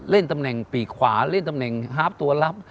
ตำแหน่งปีกขวาเล่นตำแหน่งฮาร์ฟตัวลับ